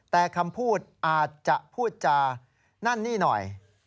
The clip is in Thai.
แต่คำพูดอาจจะพูดจานั่นนี่หน่อย